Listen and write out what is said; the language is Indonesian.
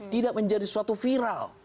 tidak menjadi suatu viral